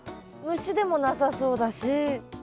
虫でもなさそうだし。